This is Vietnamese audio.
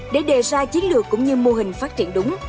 để đề ra chiến lược cũng như mô hình phát triển đúng